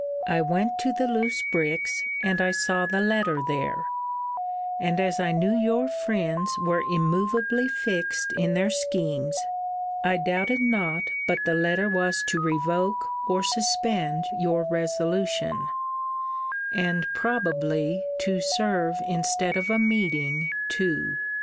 I went to the loose bricks, and I saw the letter there: and as I knew your friends were immovably fixed in their schemes, I doubted not but the letter was to revoke or suspend your resolution; and probably to serve instead of a meeting too.